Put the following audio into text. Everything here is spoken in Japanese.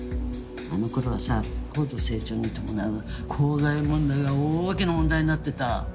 あの頃はさ高度成長に伴う公害問題が大きな問題になってた。